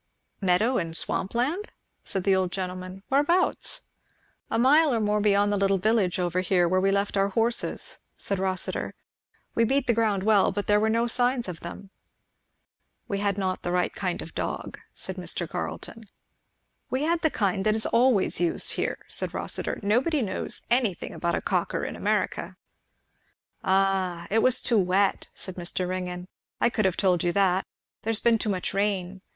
"Meadow and swamp land?" said the old gentleman. "Whereabouts?" "A mile or more beyond the little village over here where we left our horses," said Rossitur. "We beat the ground well, but there were no signs of them even." "We had not the right kind of dog," said Mr. Carleton. "We had the kind that is always used here," said Rossitur; "nobody knows anything about a Cocker in America." "Ah, it was too wet," said Mr. Ringgan. "I could have told you that. There has been too much rain.